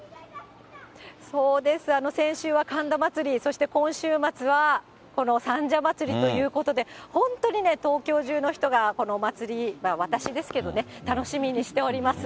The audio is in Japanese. そうです、先週は神田祭、そして今週末は、この三社祭ということで、本当にね、東京中の人が、この祭り、私ですけどね、楽しみにしております。